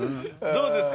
どうですか？